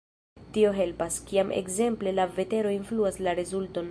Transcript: Tio helpas, kiam ekzemple la vetero influas la rezulton.